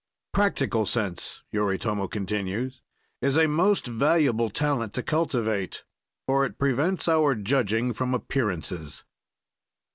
"Practical sense," Yoritomo continues, "is a most valuable talent to cultivate, for it prevents our judging from appearances.